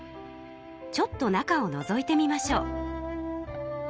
ちょっと中をのぞいてみましょう。